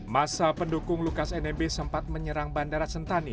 masa pendukung lukas nmb sempat menyerang bandara sentani